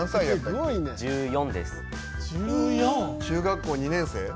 中学校２年生？